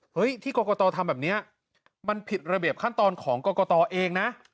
ที่กรกตทำแบบนี้มันผิดระเบียบขั้นตอนของกรกตเองนะ